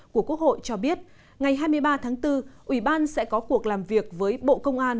của quốc hội cho biết ngày hai mươi ba tháng bốn ủy ban sẽ có cuộc làm việc với bộ công an